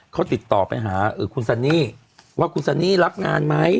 เขาติดต่อไปหาคุณซันนี่ว่าคุณซันนี่รับงานไหม